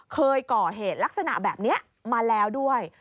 เคยก่อเหตุลักษณะแบบนี้มาแล้วด้วย